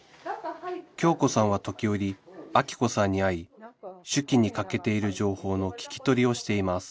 京子さんは時折アキ子さんに会い手記に欠けている情報の聞き取りをしています